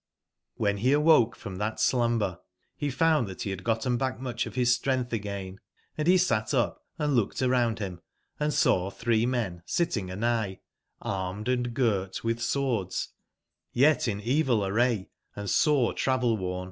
HG)^ be awoke from tbat slumber be found tbat be bad gotten back mucb of bis strengtb again, and be sat up and looked around bim, & saw tbree men sitting anigb, armed & girtwitb swords, yet in evil array, and sore travel/wom.